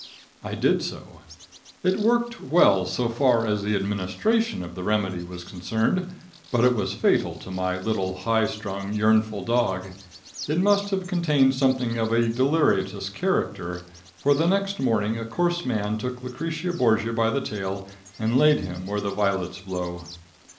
I did so. It worked well so far as the administration of the remedy was concerned, but it was fatal to my little, high strung, yearnful dog. It must have contained something of a deleterious character, for the next morning a coarse man took Lucretia Borgia by the tail and laid him where the violets blow.